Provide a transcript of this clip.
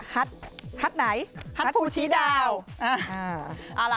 ฮัตฮัตไหนฮัตภูชีดาว